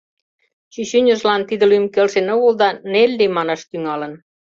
Чӱчӱньыжлан тиде лӱм келшен огыл да Нелли манаш тӱҥалын.